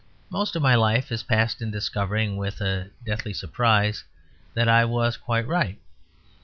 Most of my life is passed in discovering with a deathly surprise that I was quite right.